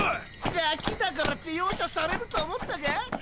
ガキだからって容赦されると思ったかァ！？